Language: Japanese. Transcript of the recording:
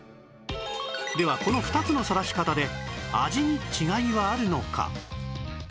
ではこの２つのさらし方で味に違いはあるのか？